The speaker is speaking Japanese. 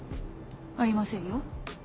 ありませんよ。